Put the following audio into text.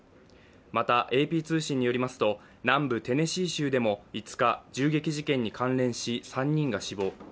また、ＡＰ通信によりますと、南部テネシー州でも５日、銃撃事件に関連し３人が死亡。